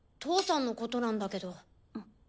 父さんのことなんだけど。